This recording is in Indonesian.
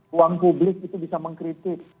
ruang publik itu bisa mengkritik